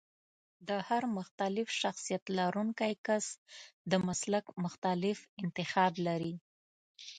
د هر مختلف شخصيت لرونکی کس د مسلک مختلف انتخاب لري.